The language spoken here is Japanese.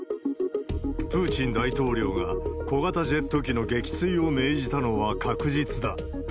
プーチン大統領が小型ジェット機の撃墜を命じたのは確実だ。